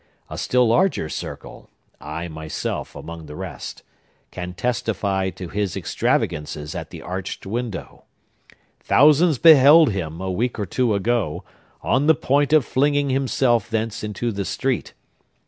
A still larger circle—I myself, among the rest—can testify to his extravagances at the arched window. Thousands beheld him, a week or two ago, on the point of flinging himself thence into the street.